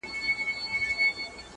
ددغسې کلماتو په شعر کولو سره